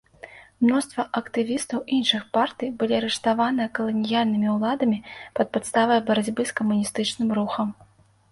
Мноства актывістаў іншых партый былі арыштавана каланіяльнымі ўладамі пад падставай барацьбы з камуністычным рухам.